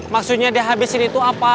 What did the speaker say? maksudnya dihabisin itu apa